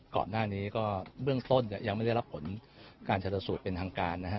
ก่อนหน้านี้ก็เบื้องต้นยังไม่ได้รับผลการชนสูตรเป็นทางการนะฮะ